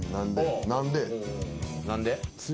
何で？